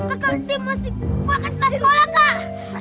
kakak tim masih makan setelah sekolah kak